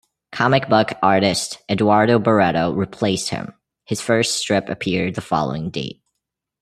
Comic book artist Eduardo Barreto replaced him; his first strip appeared the following day.